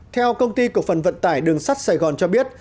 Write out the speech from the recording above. theo công ty cổ phần vận tải đường sắt sài gòn cho biết